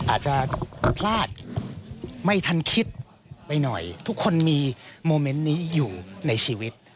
อาจจะพลาดไม่ทันคิดไปหน่อยทุกคนมีโมเมนต์นี้อยู่ในชีวิต